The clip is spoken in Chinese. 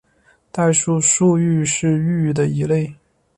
代数数域是域的一类。